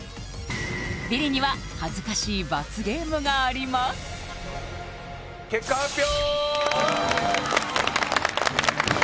ビリには恥ずかしい罰ゲームがあります結果発表！